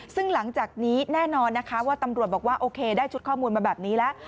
ซึ่งหลังจากนี้แน่นอนนะคะว่าตำรวจบอกว่าโอเคได้ชุดข้อมูลมาแบบนี้แล้ว